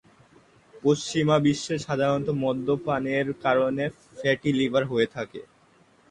পশ্চিমা বিশ্বে সাধারণত মদ্যপানের কারণে ফ্যাটি লিভার হয়ে থাকে।